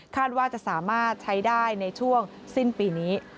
ว่าจะสามารถใช้ได้ในช่วงสิ้นปีนี้